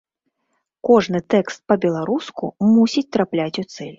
Кожны тэкст па-беларуску мусіць трапляць у цэль.